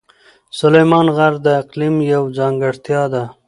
سلیمان غر د اقلیم یوه ځانګړتیا ده.